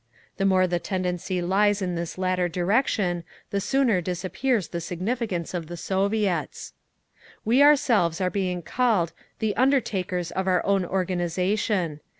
The more the tendency lies in this latter direction, the sooner disappears the significance of the Soviets…. "We ourselves are being called the 'undertakers' of our own organisation.